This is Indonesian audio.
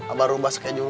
abah rubah sekejuh